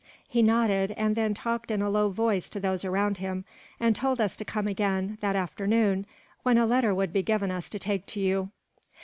He nodded, and then talked in a low voice to those around him, and told us to come again, that afternoon, when a letter would be given us to take to you."